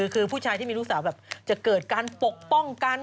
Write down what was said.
คือผู้ชายที่มีลูกสาวแบบจะเกิดการปกป้องกัน